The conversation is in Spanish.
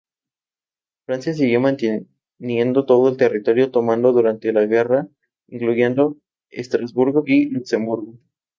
Francia siguió manteniendo todo el territorio tomado durante la guerra, incluyendo Estrasburgo y Luxemburgo.